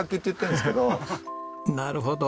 なるほど。